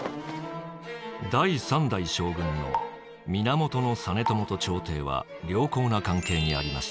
第三代将軍の源実朝と朝廷は良好な関係にありました。